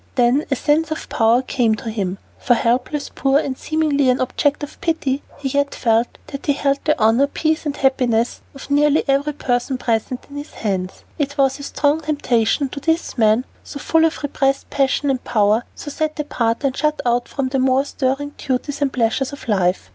Then a sense of power came to him, for helpless, poor, and seemingly an object of pity, he yet felt that he held the honor, peace, and happiness of nearly every person present in his hands. It was a strong temptation to this man, so full of repressed passion and power, so set apart and shut out from the more stirring duties and pleasures of life.